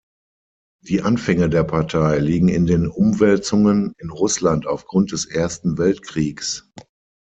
Die Anfänge der Partei liegen in den Umwälzungen in Russland aufgrund des Ersten Weltkriegs.